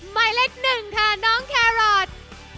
หมายเลข๑ค่ะน้องแครอท